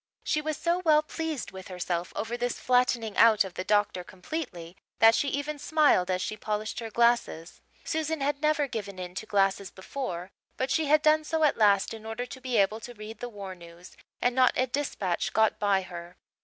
She was so well pleased with herself over this flattening out of the doctor completely that she even smiled as she polished her glasses. Susan had never given in to glasses before, but she had done so at last in order to be able to read the war news and not a dispatch got by her.